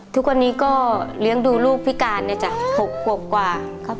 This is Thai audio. ทุกวันนี้ก็เลี้ยงดูลูกพิการเลยเห็นอีก๖๖กว่า